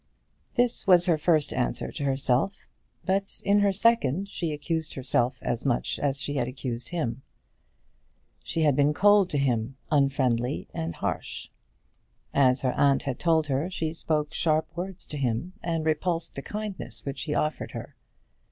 This was her first answer to herself. But in her second she accused herself as much as she had before accused him. She had been cold to him, unfriendly, and harsh. As her aunt had told her, she spoke sharp words to him, and repulsed the kindness which he offered her.